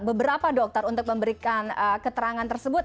beberapa dokter untuk memberikan keterangan tersebut